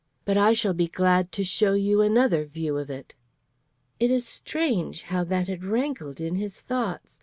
But I shall be glad to show you another, view of it.' It is strange how that had rankled in his thoughts.